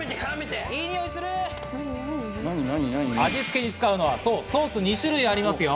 味付けに使うのはソースが２種類ありますよ。